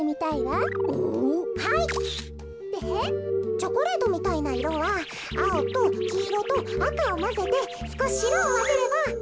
チョコレートみたいないろはあおときいろとあかをまぜてすこししろをまぜれば。